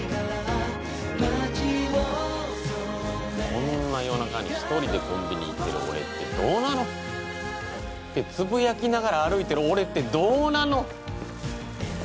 こんな夜中に１人でコンビニ行ってる俺ってどうなの？ってつぶやきながら歩いてる俺ってどうなの？